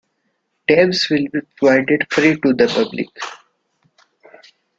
Tabs will be provided free to the public.